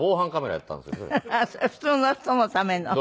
普通の人のための？